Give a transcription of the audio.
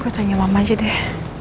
aku tanya mama aja deh